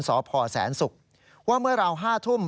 สพแสนศุกร์ว่าเมื่อราว๕ทุ่ม